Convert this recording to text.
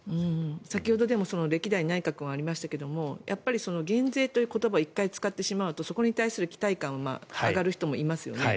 先ほど歴代内閣もありましたがやっぱり減税という言葉を１回使ってしまうとそこに対する期待感は上がる人もいますよね。